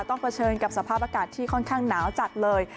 เผชิญกับสภาพอากาศที่ค่อนข้างหนาวจัดเลย